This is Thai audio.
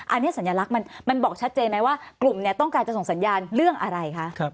อันนี้สัญลักษณ์มันบอกชัดเจนไหมว่ากลุ่มเนี่ยต้องการจะส่งสัญญาณเรื่องอะไรคะ